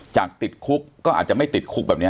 ติดคุกก็อาจจะไม่ติดคุกแบบนี้